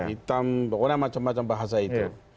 hitam pokoknya macam macam bahasa itu